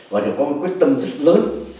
và đều có một quyết tâm rất lớn